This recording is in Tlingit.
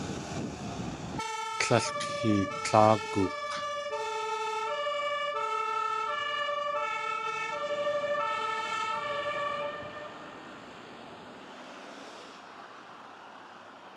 Líl k̲eetláaguk̲!